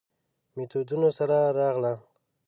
میتودونو سره راغله.